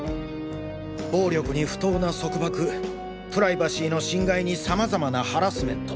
暴力に不当な束縛プライバシーの侵害に様々なハラスメント。